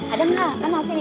ada gak kamu mau sini